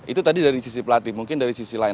itu tadi dari sisi pelatih mungkin dari sisi lain